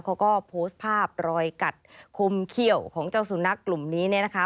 เขาก็โพสต์ภาพรอยกัดคมเขี้ยวของเจ้าสุนัขกลุ่มนี้เนี่ยนะคะ